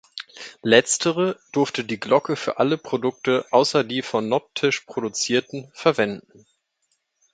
Letztere durfte die Glocke für alle Produkte außer die von Nopitsch produzierten verwenden.